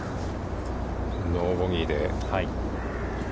ノーボギーで。